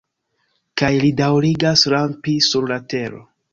Kaj li daŭrigas rampi sur la tero.